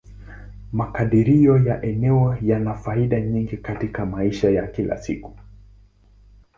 Makadirio ya eneo yana faida nyingi katika maisha ya kila siku.